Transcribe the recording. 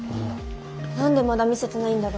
何でまだ見せてないんだろう。